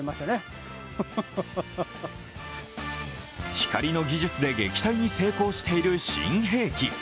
光の技術で撃退に成功している新兵器。